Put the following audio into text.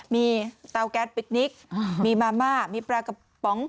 มีเตาแก๊สปิ๊กนิกมีมาม่ามีปลากระป๋อง